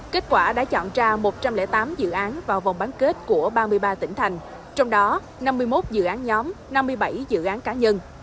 kết quả đã chọn ra một trăm linh tám dự án vào vòng bán kết của ba mươi ba tỉnh thành trong đó năm mươi một dự án nhóm năm mươi bảy dự án cá nhân